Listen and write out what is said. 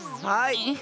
はい。